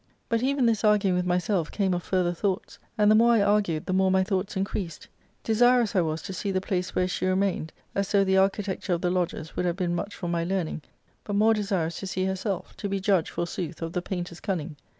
But even this arguing with myself came of further thoughts ; and the more I argued the more my thoughts increased. Desirous I was to see the place where she remained, as though the architecture of the lodges would have been much for my learning, but more desirous to see herself, to be judge, for \ sooth, of the painter's cunning.